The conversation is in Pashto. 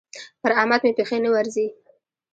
پر احمد مې پښې نه ورځي.